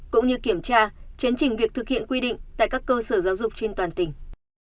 cũng như kiểm tra chấn trình việc thực hiện quy định tại các cơ sở giáo dục trên toàn tỉnh